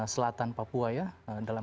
selatan papua ya dalam